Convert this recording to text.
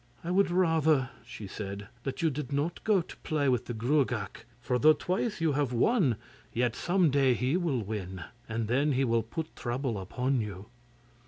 'I would rather,' she said, 'that you did not go to play with the Gruagach, for though twice you have won yet some day he will win, and then he will put trouble upon you.